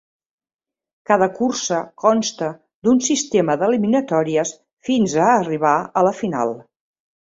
Cada cursa consta d'un sistema d'eliminatòries fins a arribar a la final.